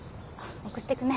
送ってくね。